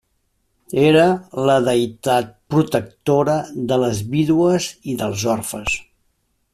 Era la deïtat protectora de les vídues i dels orfes.